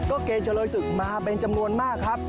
ก็เกณฑ์เฉลยศึกมาเป็นจำนวนมากครับ